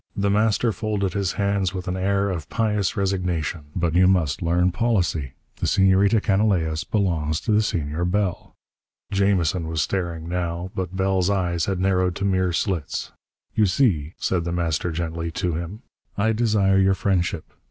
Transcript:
The Master folded his hands with an air of pious resignation. "But you must learn policy. The Senorita Canalejas belongs to the Senor Bell." Jamison was staring, now, but Bell's eyes had narrowed to mere slits. "You see," said The Master gently, to him, "I desire your friendship.